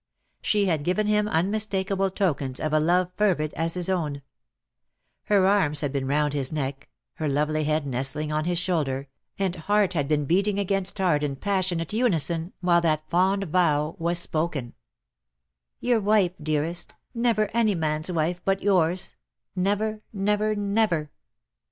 She had given him unmistakable tokens of a love fervid as his own. Her arms had been round his neck, her lovely head DEAD LOVE HAS CHAINS. 6g: nestling upon his shoulder, and heart had been beat ing against heart in passionate unison, while that fond vow was spoken, "Your wife, dearest, never any man's wife but yours, never, never, never!"